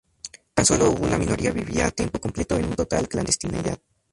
Tan solo una minoría vivía a tiempo completo en una total clandestinidad.